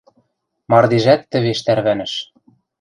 Мардежӓт тӹвеш тӓрвӓнӹш.